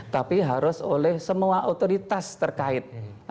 tapi harus oleh semua otoritas terkait